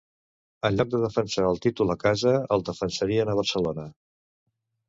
en lloc de defensar el títol a casa, el defensarien a Barcelona